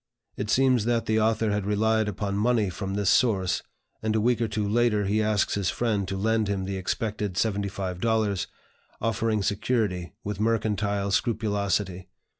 It seems that the author had relied upon money from this source, and a week or two later he asks his friend to lend him the expected seventy five dollars, offering security, with mercantile scrupulosity.